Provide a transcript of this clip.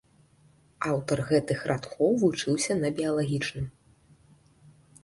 Аўтар гэтых радкоў вучыўся на біялагічным.